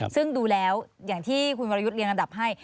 ซึ่งดูแล้วอย่างที่คุณวรยุทธ์เรียงลำดับให้